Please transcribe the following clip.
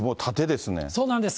そうなんです。